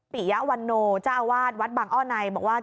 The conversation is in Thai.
ปิยะวันโนเจ้าอาวาสวัดบางอ้อในบอกว่า